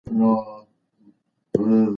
تنوع په پانګونه کې خطر کموي.